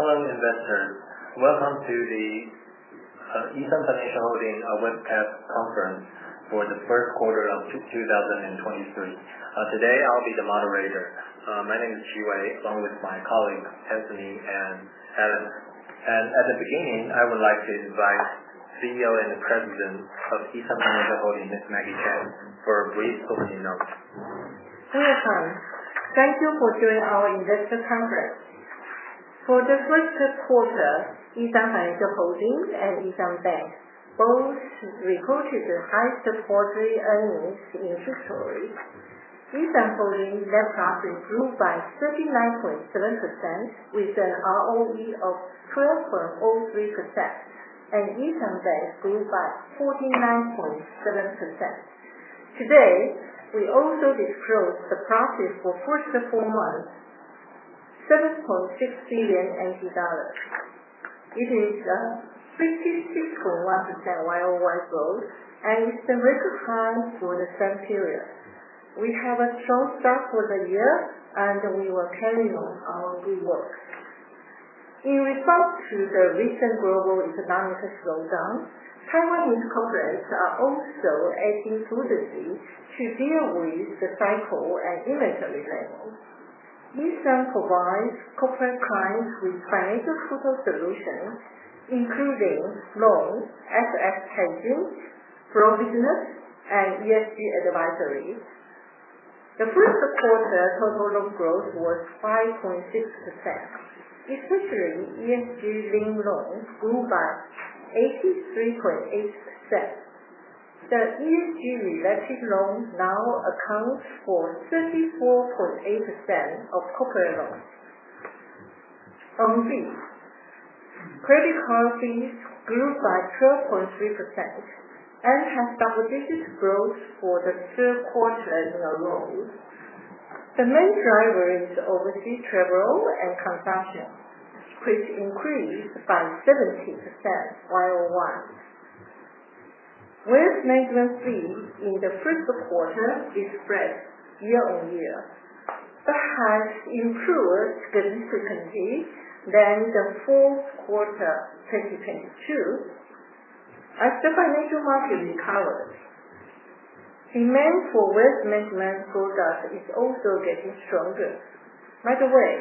Hello, investors. Welcome to the E.SUN Financial Holding webcast conference for the first quarter of 2023. Today I'll be the moderator. My name is Qi Wei, along with my colleagues, Bethany and Alan. At the beginning, I would like to invite CEO and President of E.SUN Financial Holding, Magi Chen, for a brief opening note. Welcome. Thank you for joining our investor conference. For the first quarter, E.SUN Financial Holding and E.SUN Bank both reported the highest quarterly earnings in history. E.SUN Financial Holding net profit grew by 39.7%, with an ROE of 12.03%, and E.SUN Bank grew by 49.7%. Today, we also disclosed the profit for the first four months, $7.6 billion. It is a 56.1% YoY growth and it's the record high for the same period. We had a strong start for the year and we will carry on our good work. In response to the recent global economic slowdown, Taiwanese corporates are also acting swiftly to deal with the cycle at inventory levels. E.SUN provides corporate clients with financial support solutions including loans, SF listings, loan business, and ESG advisory. The first quarter total loan growth was 5.6%, especially ESG green loans grew by 83.8%. The ESG-related loans now account for 34.8% of corporate loans. On fees, credit card fees grew by 12.3% and have double-digit growth for the third quarter in a row. The main driver is overseas travel and consumption, which increased by 17% YoY. Wealth management fees in the first quarter decreased year-on-year but had improved significantly than the fourth quarter 2022. As the financial market recovers, demand for wealth management products is also getting stronger. By the way,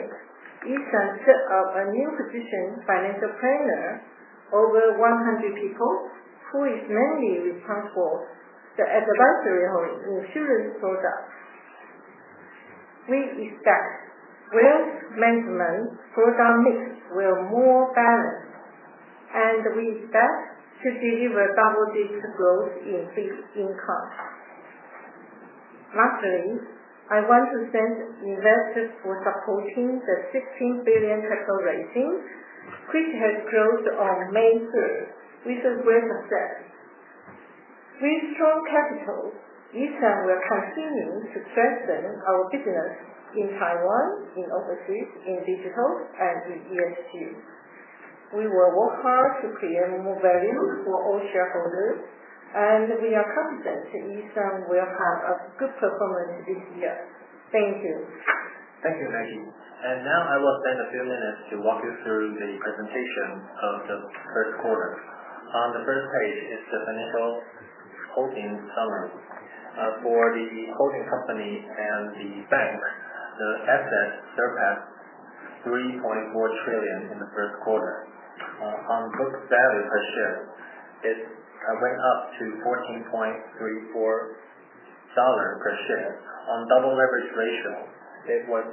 E.SUN set up a new position, financial planner. Over 100 people who are mainly responsible for the advisory on insurance products. We expect wealth management product mix will be more balanced, and we expect to deliver double-digit growth in fee income. Lastly, I want to thank investors for supporting the 16 billion capital raising, which has closed on May 3rd with a great success. With strong capital, E.SUN will continue to strengthen our business in Taiwan, in overseas, in digital, and in ESG. We will work hard to create more value for all shareholders. We are confident that E.SUN will have a good performance this year. Thank you. Thank you, Maggie. Now I will spend a few minutes to walk you through the presentation of the first quarter. On the first page is the financial holdings summary. For the holding company and E.SUN Bank, the assets surpassed 3.4 trillion in the first quarter. On book value per share, it went up to TWD 14.34 per share. On total leverage ratio, it was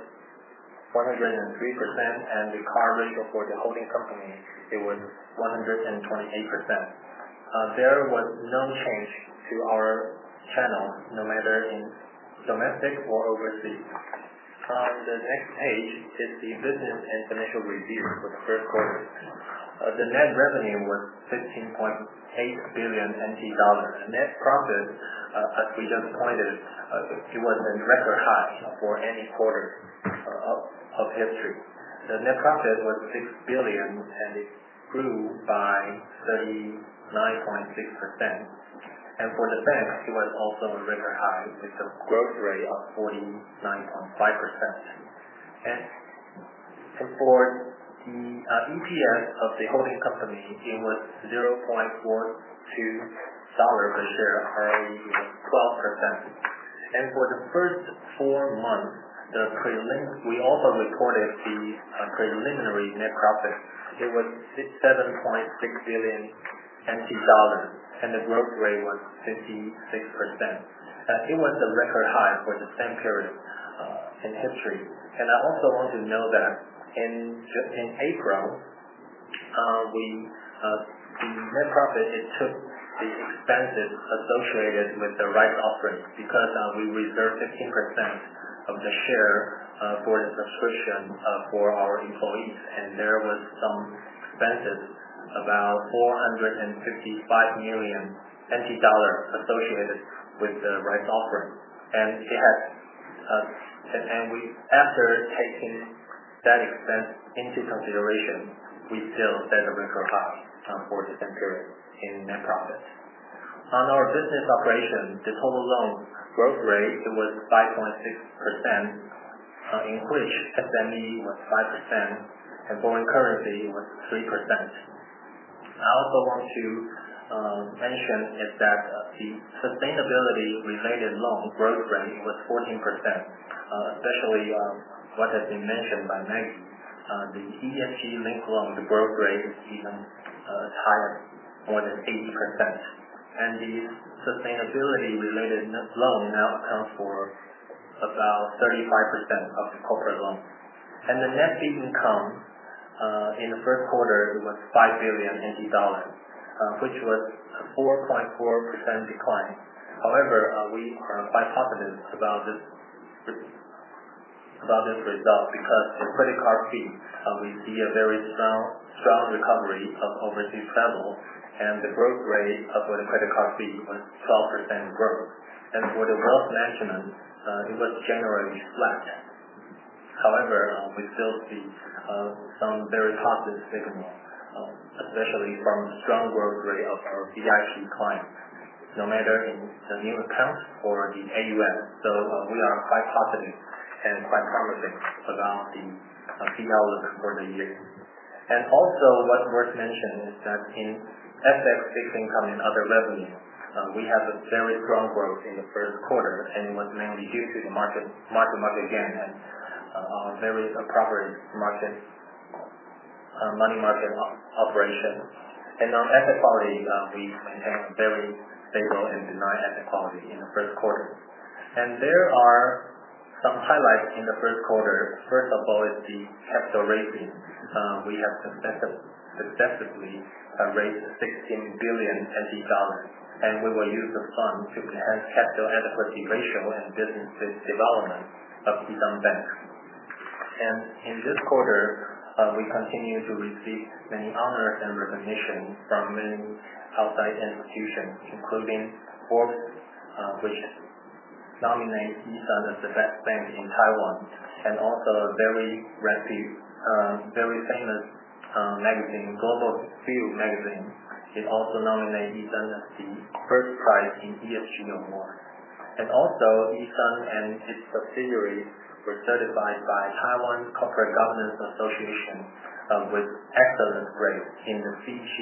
103%. The CAR ratio for the holding company, it was 128%. There was no change to our channel, no matter in domestic or overseas. On the next page is the business and financial review for the first quarter. The net revenue was $15.8 billion. Net profit, as Maggie pointed, it was a record high for any quarter of history. The net profit was 6 billion. It grew by 39.6%. For E.SUN Bank, it was also a record high with a growth rate of 49.5%. For the EPS of the holding company, it was 0.42 per share, a rise of 12%. For the first four months, we also reported the preliminary net profit. It was $7.6 billion. The growth rate was 56%. It was a record high for the same period in history. I also want to note that in April, the net profit, it took the expenses associated with the rights offering because we reserved 15% of the share for the subscription for our employees. There was some expenses, about 455 million NT dollars associated with the rights offering. After taking that expense into consideration, we still set a record high for the same period in net profit. On our business operation, the total loan growth rate was 5.6%, in which SME was 5%. Foreign currency was 3%. I also want to mention is that the sustainability-related loan growth rate was 14%, especially what has been mentioned by Maggie. The ESG-linked loan growth rate is even higher, more than 80%. The sustainability-related loan now accounts for about 35% of the corporate loan. The net fee income in the first quarter was 5 billion, which was a 4.4% decline. However, we are quite positive about this result because for credit card fee, we see a very strong recovery of overseas travel. The growth rate for the credit card fee was 12% growth. For the wealth management, it was generally flat. However, we still see some very positive signals, especially from the strong growth rate of our digital client, no matter in the new account or the AUM. We are quite positive and quite promising about the fee outlook for the year. What's worth mentioning is that in FX fee income and other revenue, we have a very strong growth in the first quarter. It was mainly due to the money market gain and various appropriate money market operation. On asset quality, we maintain very stable and benign asset quality in the first quarter. There are some highlights in the first quarter. First of all is the capital raising. We have successfully raised 16 billion NT dollars. We will use the fund to enhance capital adequacy ratio and business development of E.SUN Bank. In this quarter, we continue to receive many honors and recognition from many outside institutions, including Forbes, which nominate E.SUN as the best bank in Taiwan, Global CEO Magazine, it also nominate E.SUN as the first prize in ESG reward. Also, E.SUN and its subsidiaries were certified by Taiwan Corporate Governance Association, with excellent grade in the CG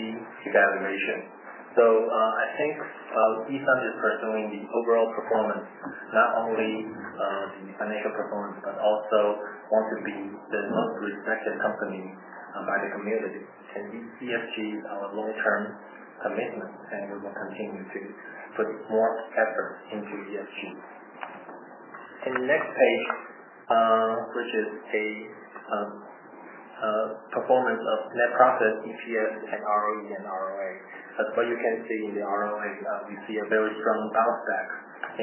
evaluation. I think E.SUN is pursuing the overall performance, not only the financial performance, but also want to be the most respected company by the community. ESG is our long-term commitment, and we will continue to put more effort into ESG. In the next page, which is a performance of net profit, EPS and ROE and ROA. As well you can see in the ROA, we see a very strong bounce back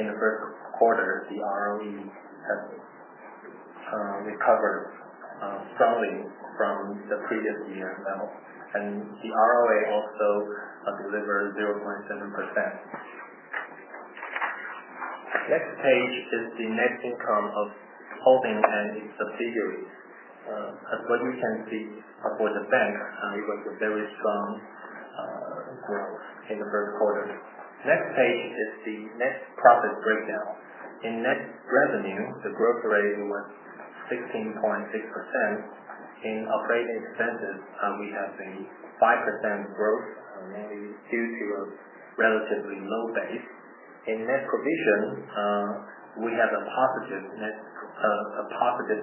in the first quarter. The ROE has recovered strongly from the previous year level, the ROA also delivered 0.7%. Next page is the net income of holding and its subsidiaries. As you can see for the bank, it was a very strong growth in the first quarter. Next page is the net profit breakdown. In net revenue, the growth rate was 16.6%. In operating expenses, we have a 5% growth, mainly due to a relatively low base. In net provision, we have a positive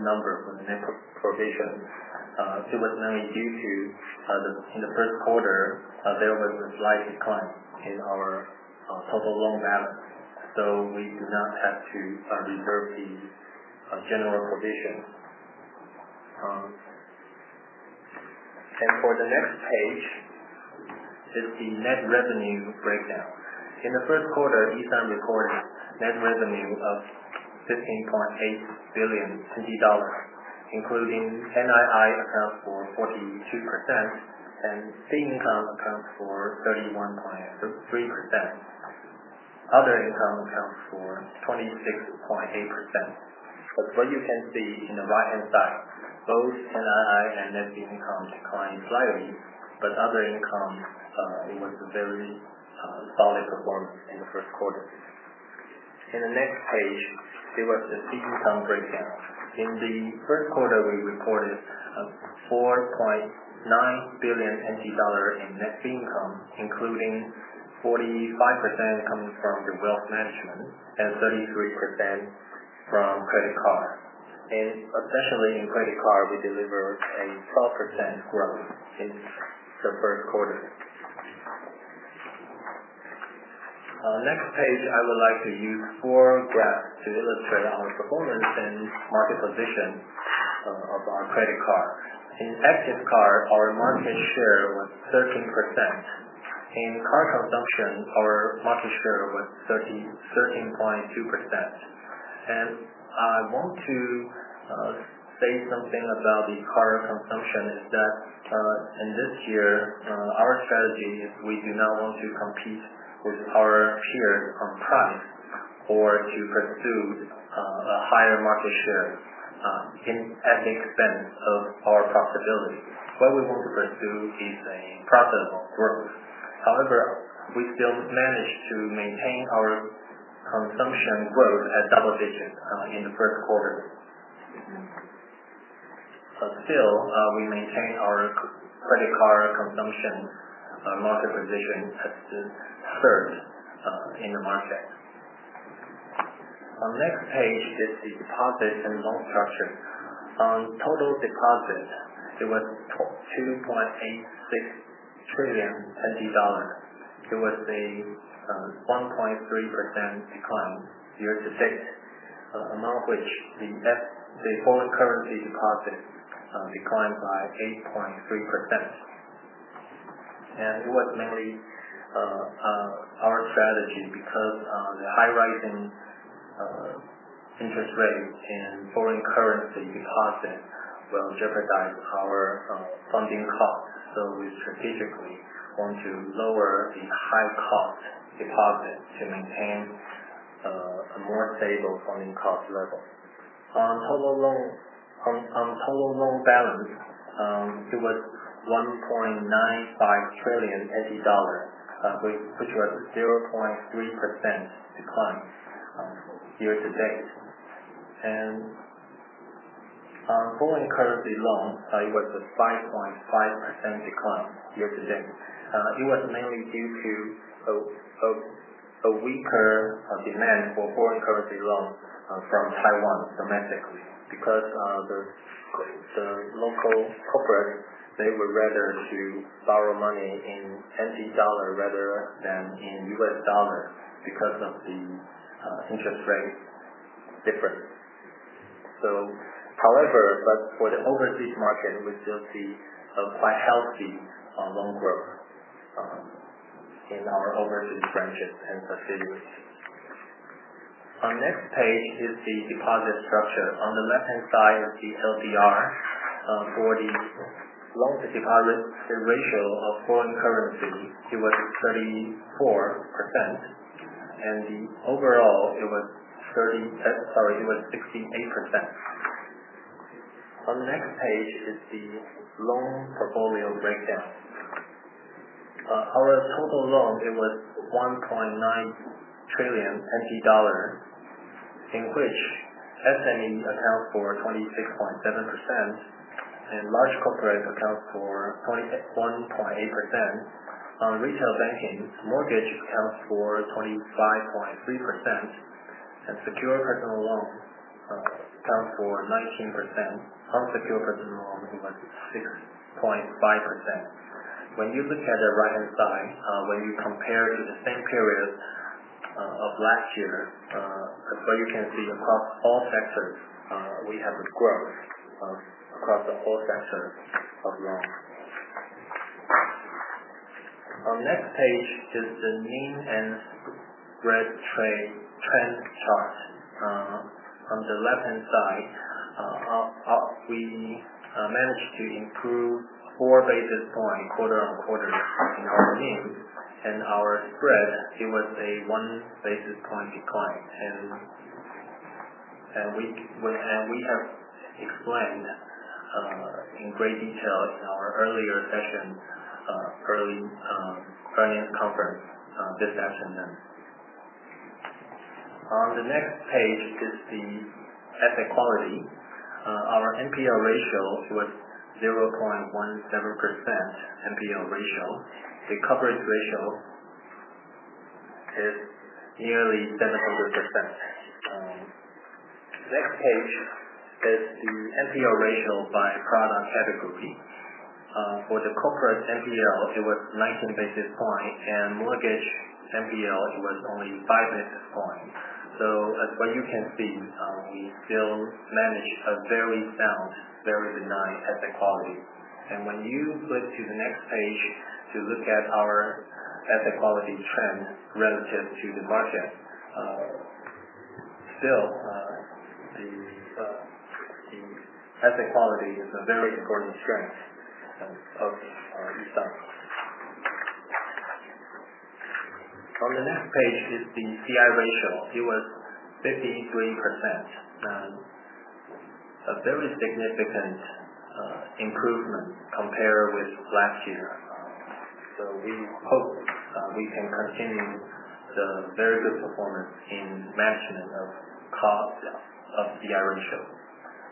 number for the net provision. It was mainly due to, in the first quarter, there was a slight decline in our total loan balance, we do not have to reserve the general provision. For the next page, is the net revenue breakdown. In the first quarter, E.SUN recorded net revenue of 15.8 billion dollars, including NII account for 42%, and fee income account for 33%. Other income accounts for 26.8%. As you can see in the right-hand side, both NII and net fee income declined slightly, other income, it was a very solid performance in the first quarter. In the next page, there was a fee income breakdown. In the first quarter, we recorded 4.9 billion NT dollar in net fee income, including 45% coming from the wealth management and 33% from credit card. Especially in credit card, we delivered a 12% growth in the first quarter. Next page, I would like to use four graphs to illustrate our performance and market position of our credit card. In active card, our market share was 13%. In card consumption, our market share was 13.2%. I want to say something about the card consumption is that, in this year, our strategy is we do not want to compete with our peers on price. To pursue a higher market share at the expense of our profitability. What we want to pursue is a profitable growth. However, we still managed to maintain our consumption growth at double digits in the first quarter. Still, we maintain our credit card consumption market position as the third in the market. Our next page is the deposit and loan structure. On total deposits, it was 2.86 trillion dollars. It was a 1.3% decline year-to-date. Among which, the foreign currency deposit declined by 8.3%. It was mainly our strategy because the high rising interest rates in foreign currency deposit will jeopardize our funding cost. We strategically want to lower the high cost deposit to maintain a more stable funding cost level. On total loan balance, it was 1.95 trillion dollars, which was 0.3% decline year-to-date. On foreign currency loan, it was a 5.5% decline year-to-date. It was mainly due to a weaker demand for foreign currency loan from Taiwan domestically because the local corporate, they would rather borrow money in TWD rather than in USD because of the interest rate difference. For the overseas market, we still see a quite healthy loan growth in our overseas branches and subsidiaries. Our next page is the deposit structure. On the left-hand side is the LDR. For the loan to deposit, the ratio of foreign currency, it was 34%, and the overall, it was 68%. Our next page is the loan portfolio breakdown. Our total loan, it was 1.9 trillion NT dollar, in which SMEs account for 26.7%, and large corporates account for 21.8%. On retail banking, mortgage accounts for 25.3%, and secured personal loan account for 19%. Unsecured personal loan, it was 6.5%. When you look at the right-hand side, when you compare to the same period of last year, you can see across all sectors, we have growth across the whole sector of loans. Our next page is the NIM and spread trend chart. On the left-hand side, we managed to improve four basis points quarter-on-quarter in our NIM. Our spread, it was a one basis point decline, and we have explained in great detail in our earlier session, earnings conference this afternoon. Our next page is the asset quality. Our NPL ratio was 0.17% NPL ratio. The coverage ratio is nearly 700%. Next page is the NPL ratio by product category. For the corporate NPL, it was 19 basis points, and mortgage NPL, it was only five basis points. As you can see, we still manage a very sound, very benign asset quality. When you flip to the next page to look at our asset quality trend relative to the market. Still, the asset quality is a very important strength of our E.SUN. On the next page is the CI ratio. It was 53%, a very significant improvement compare with last year. We hope we can continue the very good performance in management of CI ratio.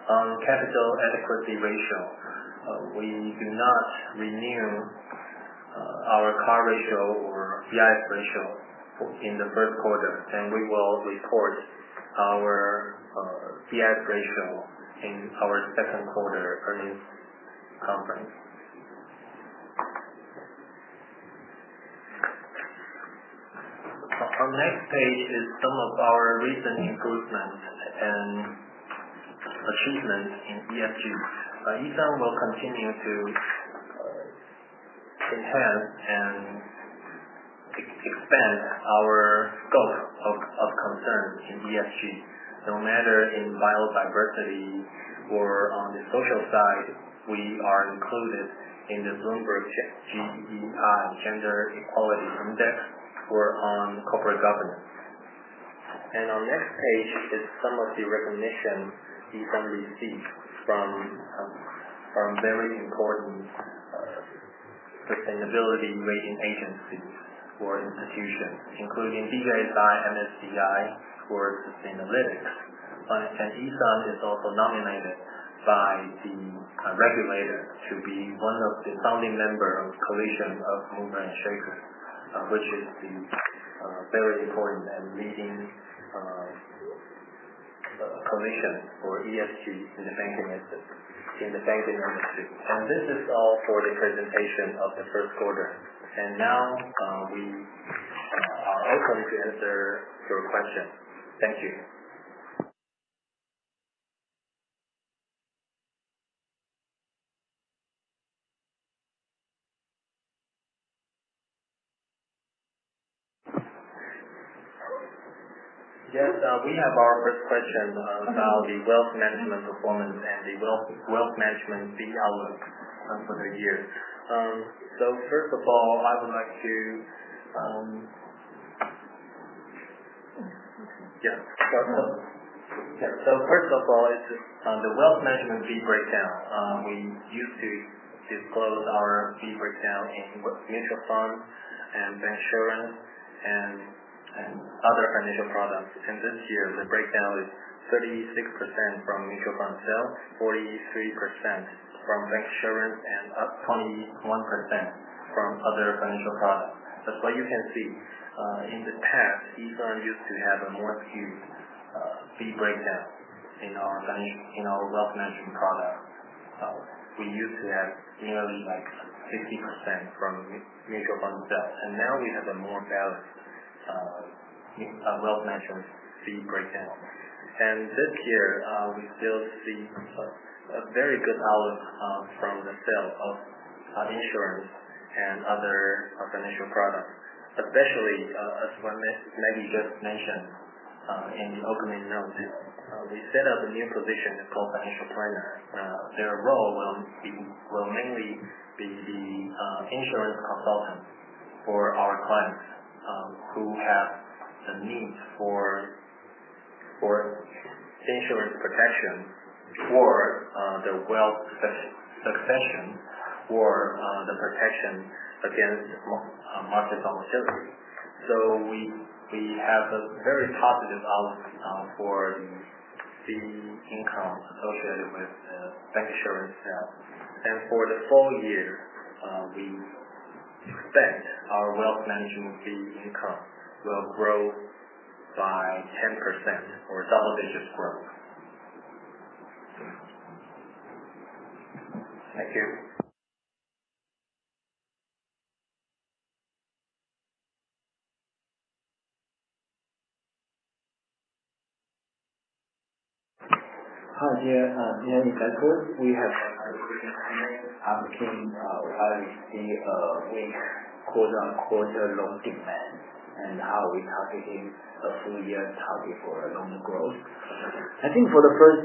On capital adequacy ratio, we do not renew our CAR ratio or BIS ratio in the first quarter, and we will report our BIS ratio in our second quarter earnings conference. Our next page is some of our recent improvements and achievements in ESG. E.SUN will continue to enhance and expand our scope of concern in ESG. No matter in biodiversity or on the social side, we are included in the Bloomberg GEI, Bloomberg Gender-Equality Index, or on corporate governance. On this page is some of the recognition E.SUN received from very important sustainability rating agencies or institutions, including DJSI, MSCI for Sustainalytics. E.SUN is also nominated by the regulator to be one of the founding members of the Coalition of Movers and Shakers, which is the very important and leading coalition for ESG in the banking industry. This is all for the presentation of the first quarter. Now we are open to answer your questions. Thank you. Yes, we have our first question about the wealth management performance and the wealth management fee outlook for the year. First of all, is the wealth management fee breakdown. We used to disclose our fee breakdown in mutual funds and bancassurance and other financial products. This year, the breakdown is 36% from mutual fund sales, 43% from bancassurance, and 21% from other financial products. You can see, in the past, E.SUN used to have a more skewed fee breakdown in our wealth management product. We used to have nearly 50% from mutual fund sales, and now we have a more balanced wealth management fee breakdown. This year, we still see a very good outlook from the sale of insurance and other financial products. Especially, as Magi just mentioned in the opening notes, we set up a new position called financial planner. Their role will mainly be the insurance consultant for our clients who have the need for insurance protection for their wealth succession, for the protection against market volatility. We have a very positive outlook for the fee income associated with the bancassurance sale. For the full year, we expect our wealth management fee income will grow by 10% or double-digit growth. Thank you. Hi there, investors. We have a question asking why we see a weak quarter-on-quarter loan demand and how we are targeting a full-year target for loan growth. I think for the first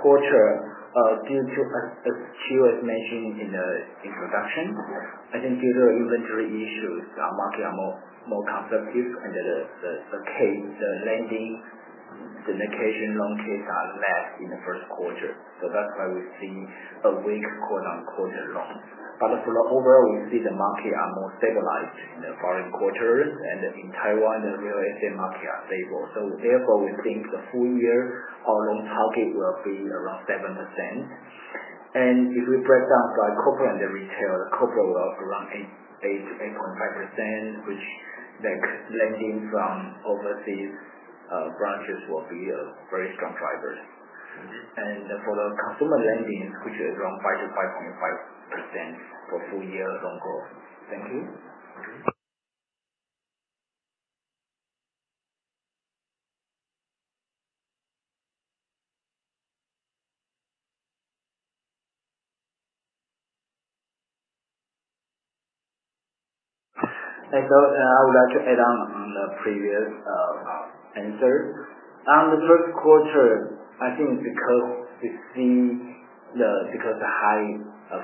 quarter, as Qi was mentioning in the introduction, I think due to inventory issues, the market is more conservative, and the lending syndication loan cases are less in the first quarter. That is why we have seen a weak quarter-on-quarter loans. For the overall, we see the market is more stabilized in the following quarters, and in Taiwan, the real estate market is stable. Therefore, we think the full year, our loan target will be around 7%. If we break down by corporate and retail, corporate will be around 8%-8.5%, which lending from overseas branches will be a very strong driver. For the consumer lending, which is around 5%-5.5% for full-year loan growth. Thank you. I would like to add on the previous answer. On the first quarter, I think it's because the high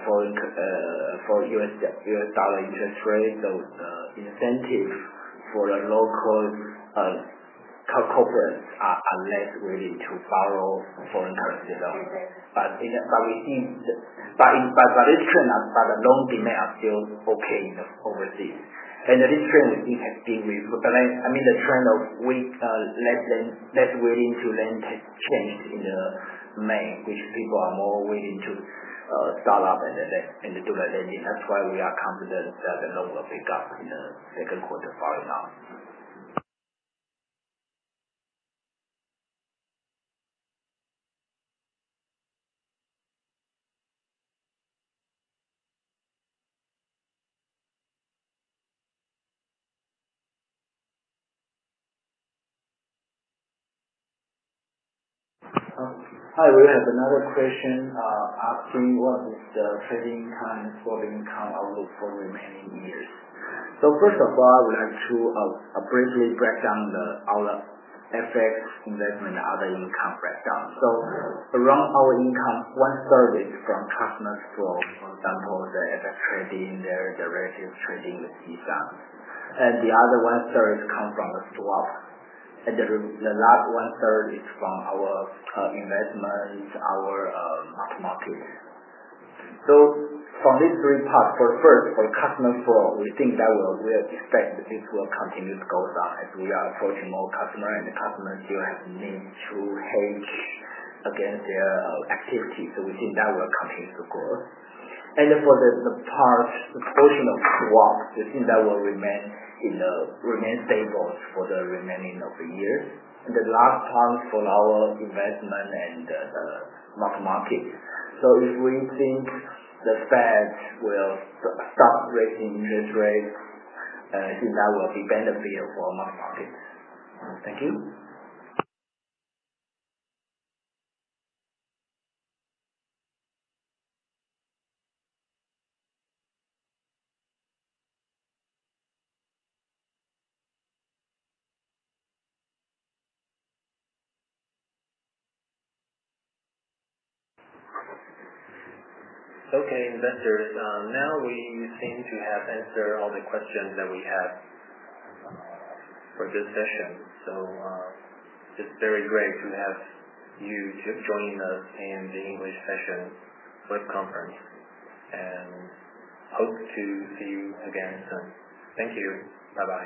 for U.S. dollar interest rates, so incentives for the local corporates are less willing to borrow foreign currency dollars. The loan demand are still okay in the overseas. This trend has been happening. I mean, the trend of less willing to lend changed in May, which people are more willing to start up and do the lending. That's why we are confident that the loan will pick up in the second quarter following now. Hi, we have another question asking what is the trading income and foreign income outlook for the remaining year. First of all, we have to briefly break down our FX investment and other income breakdown. Around our income, one-third is from customer flow. For example, they're either trading there, they're relative trading with E.SUN. The other one-third comes from the swap. The last one-third is from our investment in our mark-to-market. From these three parts, first, for customer flow, we think that we have expected this will continue to go down as we are approaching more customers and the customers still have need to hedge against their activities. We think that will continue to grow. For the portion of swap, we think that will remain stable for the remainder of the year. The last part for our investment and the mark-to-market. If we think the Fed will stop raising interest rates, I think that will be beneficial for mark-to-market. Thank you. Okay, investors. Now we seem to have answered all the questions that we have for this session. It's very great to have you join us in the English session press conference, and hope to see you again soon. Thank you. Bye-bye.